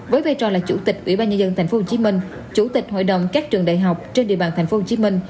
với bê trò là chủ tịch ủy ban nhân dân tp hcm chủ tịch hội đồng các trường đại học trên địa bàn tp hcm